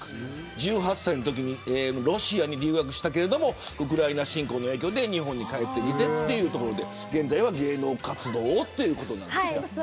１８歳のときにロシアに留学したけどウクライナ侵攻の影響で日本に帰ってきてというところで現在は芸能活動をということなんです。